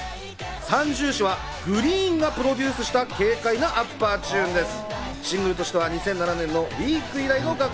『三銃士』はＧＲｅｅｅｅＮがプロデュースした、軽快なアッパーチューンです。